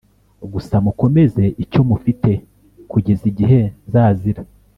Gusa mukomeze icyo mufite kugeza igihe nzazira